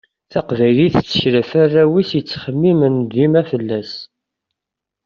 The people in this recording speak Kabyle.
Taqbaylit tettkel ɣef warraw-is yettxemmimen dima fell-as.